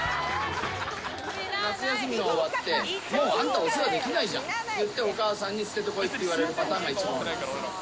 夏休みが終わって、もうあんた、お世話できないじゃんって言って、お母さんに捨ててこいっていわれるパターンが一番多い。